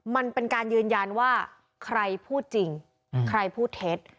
มันเป็นการยืนยันว่าใครพูดจริงใครพูดเท็จ